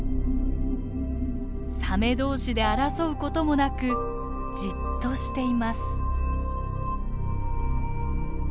サメ同士で争うこともなくじっとしています。